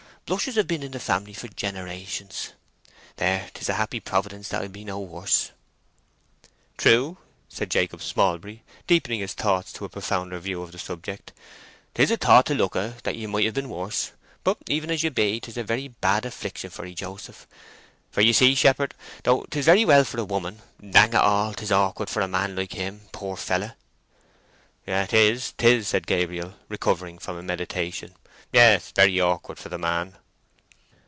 Blushes hev been in the family for generations. There, 'tis a happy providence that I be no worse." "True," said Jacob Smallbury, deepening his thoughts to a profounder view of the subject. "'Tis a thought to look at, that ye might have been worse; but even as you be, 'tis a very bad affliction for 'ee, Joseph. For ye see, shepherd, though 'tis very well for a woman, dang it all, 'tis awkward for a man like him, poor feller?" "'Tis—'tis," said Gabriel, recovering from a meditation. "Yes, very awkward for the man."